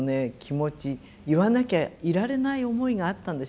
言わなきゃいられない思いがあったんでしょうね。